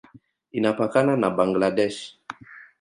Inapakana na Bangladesh.